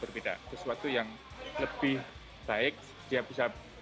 berbeda sesuatu yang lebih baik dia bisa